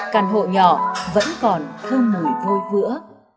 căn hộ nhỏ vẫn còn thơm mùi vui vữa